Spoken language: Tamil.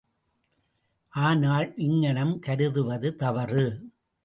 ஆனால், இங்ஙணம் கருதுவது தவறு.